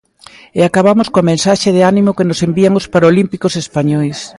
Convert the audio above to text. E acabamos coa mensaxe de ánimo que nos envían os parolímpicos españois.